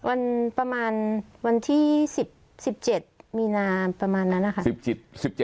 วันประมาณวันที่๑๗มีนาประมาณนั้นนะคะ